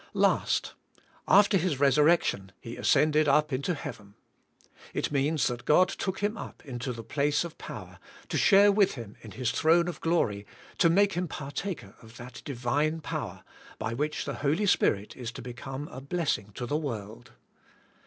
Last. After His resurrection He ascended up into heaven. It means that God took Him up into the place of power, to share with Him in His throne of glory, to make Him partaker of that divine power, by which the Holy Spirit is to become a blessing to CSRIST" tlVSTH IN MK. 153 the world.